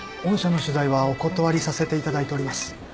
御社の取材はお断りさせていただいております。